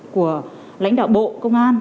của lãnh đạo bộ công an